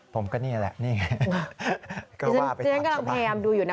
ผมก็นี่แหละนี่ไงก็ว่าไปถามชาวบ้านจริงก็พยายามดูอยู่นะ